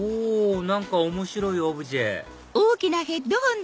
何か面白いオブジェあれ？